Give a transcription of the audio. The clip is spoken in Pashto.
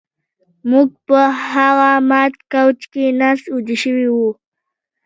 موږ په هغه مات کوچ کې ناست ویده شوي وو